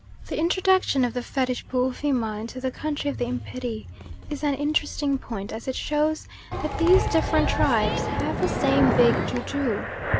The introduction of the Fetish Boofima into the country of the Imperi is an interesting point as it shows that these different tribes have the same big ju ju.